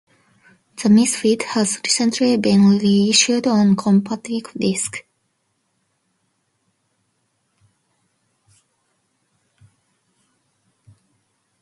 "The Misfit" has recently been re-issued on compact disc.